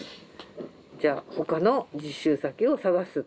じゃあ他の実習先を探す。